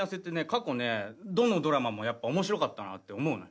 過去どのドラマもやっぱ面白かったなって思うのよ。